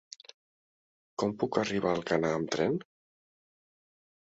Com puc arribar a Alcanar amb tren?